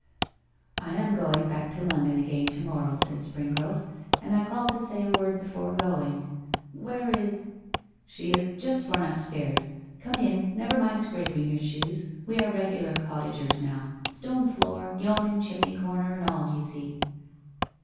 'I am going back to London again to morrow,' said Springrove, 'and I called to say a word before going. Where is... ?' 'She has just run upstairs. Come in never mind scraping your shoes we are regular cottagers now; stone floor, yawning chimney corner, and all, you see.